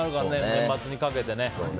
年末にかけて。